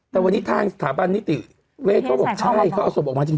แต่วันนี้ทางสถาบันนิติเวทเขาบอกใช่เขาเอาศพออกมาจริง